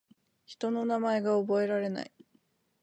人の名前が覚えられない